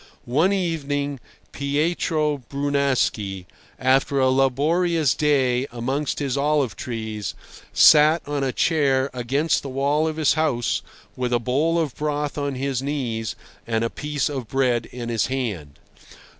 One evening Pietro Brunaschi, after a laborious day amongst his olive trees, sat on a chair against the wall of his house with a bowl of broth on his knees and a piece of bread in his hand.